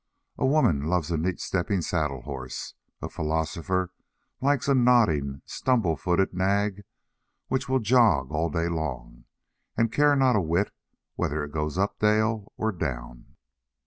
A woman loves a neat stepping saddle horse; a philosopher likes a nodding, stumble footed nag which will jog all day long and care not a whit whether it goes up dale or down.